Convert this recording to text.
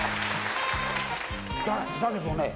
だけどね